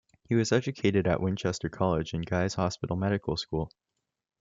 He was educated at Winchester College and Guy's Hospital Medical School.